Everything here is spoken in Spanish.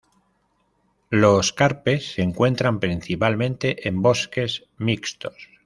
Los carpes se encuentran principalmente en bosques mixtos.